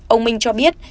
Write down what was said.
ông minh cho biết